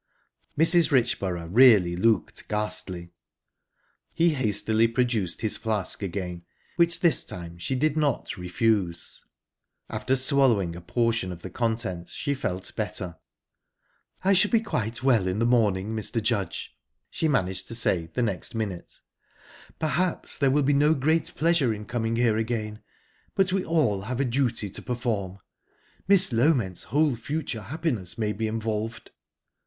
Mrs. Richborough really looked ghastly. He hastily produced his flask again, which this time she did not refuse. After swallowing a portion of the contents she felt better. "I shall be quite well in the morning, Mr. Judge," she managed to say the next minute. "Perhaps there will be no great pleasure in coming here again, but we have all a duty to perform. Miss Loment's whole future happiness may be involved."